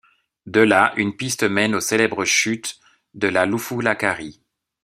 De là, une piste mène aux célèbres chutes de la Loufoulakari.